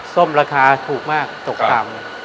ส้มราคาถูกมากตกต่ำ